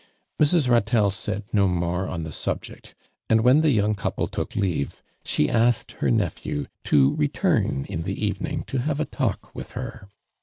Mrs. Ratelle said no more on the subject, and when the young couple took leave, she asked her nephew to return in the evening to have a talk with her.